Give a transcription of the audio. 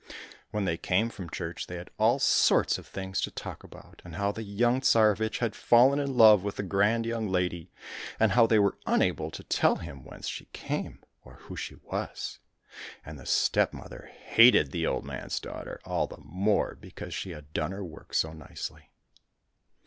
When they came from church they had all sorts of things to talk about, and how the young Tsarevich had fallen in love with the grand young lady, and how they were unable to tell him whence she came, or who she was, and the stepmother hated the old man's daughter all the more because she had done her work so nicelv.